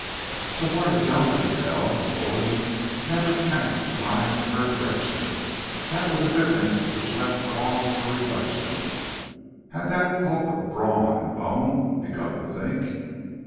So far as Joan could tell, Gulden never cast his eyes in her direction. That was a difference which left cause for reflection. Had that hulk of brawn and bone begun to think?